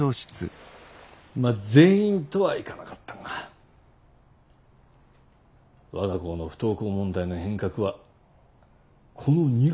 まっ全員とはいかなかったが我が校の不登校問題の変革はこの２学期からだよ。